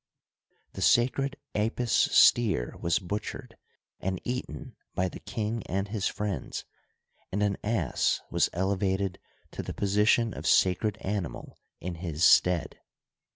The sacred Apis steer was butchered and eaten by the king and his friends, and an ass was elevated to the position of sacred animal in his stead.